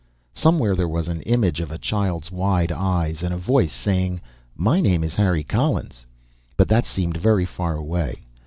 Somewhere there was an image of a child's wide eyes and a voice saying, "My name is Harry Collins." But that seemed very far away.